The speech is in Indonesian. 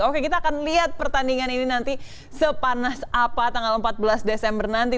oke kita akan lihat pertandingan ini nanti sepanas apa tanggal empat belas desember nanti